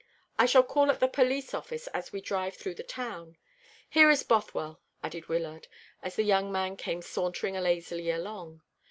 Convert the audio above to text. I shall call at the police office as we drive through the town. Here is Bothwell," added Wyllard, as the young man came sauntering lazily along.